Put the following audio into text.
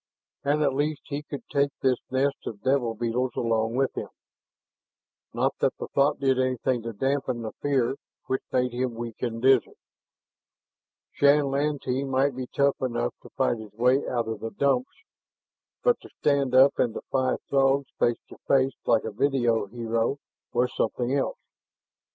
And at least he could take this nest of devil beetles along with him. Not that the thought did anything to dampen the fear which made him weak and dizzy. Shann Lantee might be tough enough to fight his way out of the Dumps, but to stand up and defy Throgs face to face like a video hero was something else.